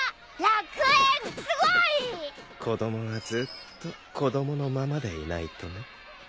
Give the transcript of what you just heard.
すごい！子供はずっと子供のままでいないとね。